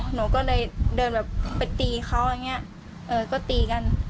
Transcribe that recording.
หนูก็เลยเดินแบบไปตีเขาอย่างเงี้ยเออก็ตีกัน